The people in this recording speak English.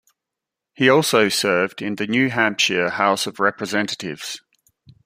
He also served in the New Hampshire House of Representatives.